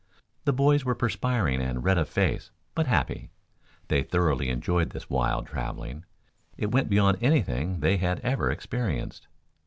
The boys were perspiring and red of face, but happy. They thoroughly enjoyed this wild traveling. It went beyond anything they had ever experienced.